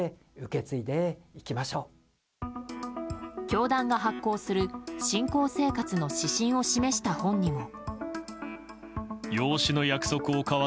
教団が発行する信仰生活の指針を示した本にも。